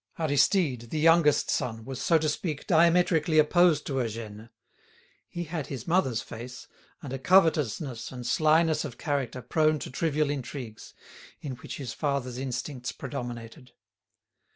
Aristide, the youngest son, was, so to speak, diametrically opposed to Eugène. He had his mother's face, and a covetousness and slyness of character prone to trivial intrigues, in which his father's instincts predominated.